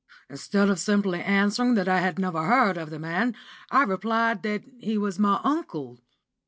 Instead of simply answering that I had never heard of the man, I replied that he was my uncle.